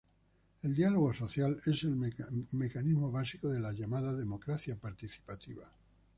El diálogo social es el mecanismo básico de la llamada democracia participativa.